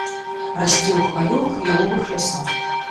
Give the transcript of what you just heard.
Расце ў хваёвых і яловых лясах.